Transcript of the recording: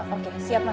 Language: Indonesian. oke siap ma